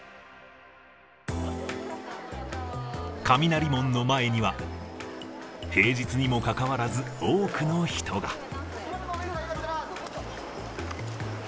雷門の前には、平日にもかかわらず、多くの人が。